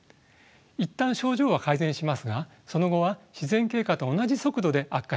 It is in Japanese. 一旦症状は改善しますがその後は自然経過と同じ速度で悪化していきます。